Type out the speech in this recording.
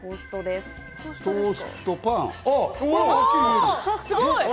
すごい。